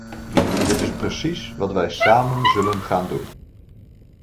Dit is precies wat wij samen zullen gaan doen.